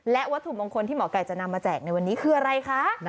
และวัตถุมงคลที่หมอไก่จะนำมาแจกในวันนี้คืออะไรคะ